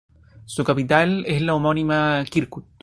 Su capital es la homónima Kirkuk.